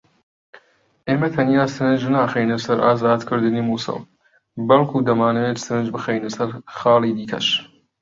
ئێمە تەنیا سەرنج ناخەینە سەر ئازادکردنی موسڵ بەڵکو دەمانەوێت سەرنج بخەینە سەر خاڵی دیکەش